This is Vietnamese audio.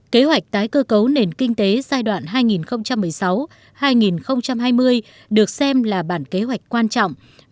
kế hoạch tái cơ cấu nền kinh tế giai đoạn hai nghìn một mươi sáu hai nghìn hai mươi được xem là bản kế hoạch quan trọng